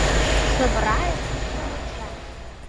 — Шамрайым тӱткын онча.